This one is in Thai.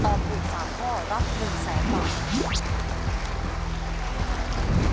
ตอบอีกสามข้อรับหนึ่งแสนบาท